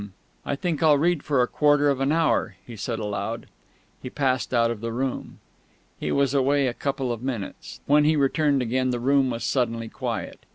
I think I'll read for a quarter of an hour," he said aloud.... He passed out of the room. He was away a couple of minutes; when he returned again the room was suddenly quiet.